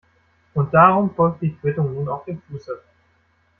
Und darum folgt die Quittung nun auf dem Fuße.